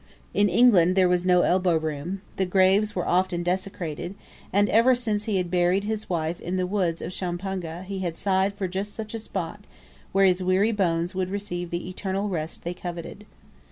In England there was no elbow room, the graves were often desecrated; and ever since he had buried his wife in the woods of Shupanga he had sighed for just such a spot, where his weary bones would receive the eternal rest they coveted.